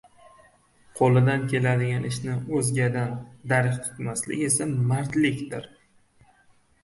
qo‘lidan keladigan ishni o‘zgadan darig‘ tutmaslik esa mardlikdir.